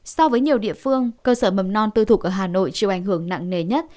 so với nhiều địa phương cơ sở mầm non tư thục ở hà nội chịu ảnh hưởng nặng nề nhất